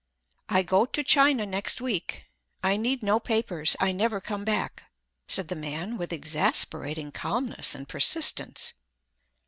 "I go to China next week: I need no papers—I never come back," said the man with exasperating calmness and persistence.